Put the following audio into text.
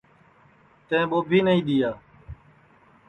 تیں ٻوبی نٹی دؔیا